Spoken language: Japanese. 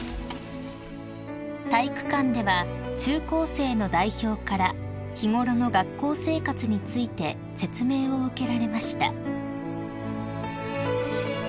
［体育館では中高生の代表から日頃の学校生活について説明を受けられました］